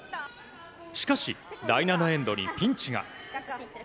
しかし、第７エンドにピンチが。